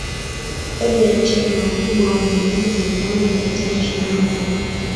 hifadhi ya arusha ina ukubwa wa kilomita za mraba mia tatu ishirini na nane